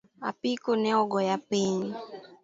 Apiko neogoya piny